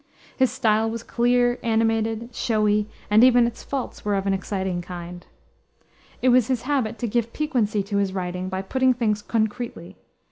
His style was clear, animated, showy, and even its faults were of an exciting kind. It was his habit to give piquancy to his writing by putting things concretely.